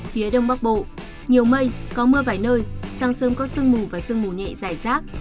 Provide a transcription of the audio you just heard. phía đông bắc bộ nhiều mây có mưa vài nơi sáng sớm có sương mù và sương mù nhẹ dài rác